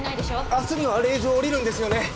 明日には令状下りるんですよね